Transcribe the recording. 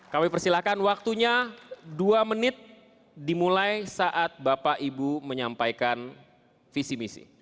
kami persilahkan waktunya dua menit dimulai saat bapak ibu menyampaikan visi misi